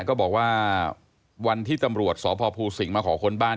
ก็บอกว่าวันที่ตำรวจสพภูสิงห์มาขอค้นบ้าน